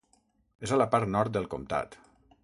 És a la part nord del comtat.